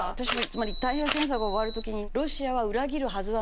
つまり太平洋戦争が終わる時にロシアは裏切るはずはないと。